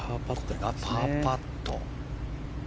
パーパット。